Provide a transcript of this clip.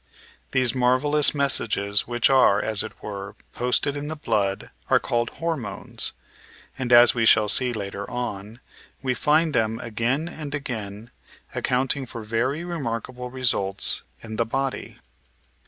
These marvellous messages which are, as it were, posted in the blood are called "hormones," and, as we shall see later on, we find them again and again accounting for very remarkable results in the body.